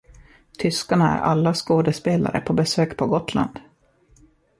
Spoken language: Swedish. Tyskarna är alla skådespelare på besök på Gotland.